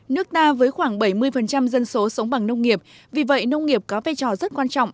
nước ta với khoảng bảy mươi dân số sống bằng nông nghiệp vì vậy nông nghiệp có vai trò rất quan trọng